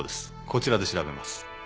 こちらで調べます。